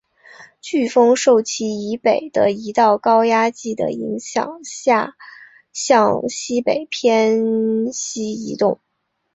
飓风受其以北的一道高压脊的影响下向西北偏西移动。